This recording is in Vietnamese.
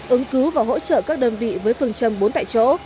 ứng cứu và hỗ trợ các đơn vị với phương châm bốn tại chỗ